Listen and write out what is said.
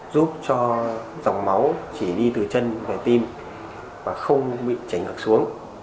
giúp cho dòng máu chỉ đi từ chân về tim và không bị chảy ngược xuống